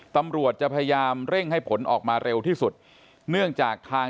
ตำรวจจะพยายามเร่งให้ผลออกมาเร็วที่สุดเนื่องจากทาง